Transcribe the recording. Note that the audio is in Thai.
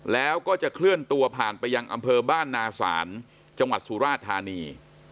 แล้วก็จะเคลื่อนตัวผ่านไปยังอำเภอบ้านนาศาลจังหวัดสุราธานี